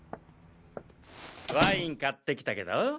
ワイン買ってきたけど。